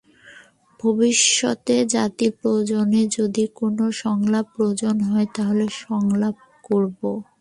ভবিষ্যতে জাতির প্রয়োজনে যদি কোনো সংলাপ প্রয়োজন হয়, তাহলে সংলাপ করব।